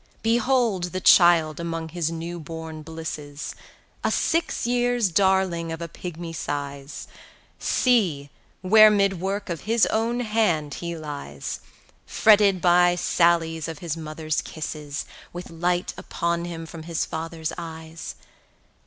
85 Behold the Child among his new born blisses, A six years' darling of a pigmy size! See, where 'mid work of his own hand he lies, Fretted by sallies of his mother's kisses, With light upon him from his father's eyes!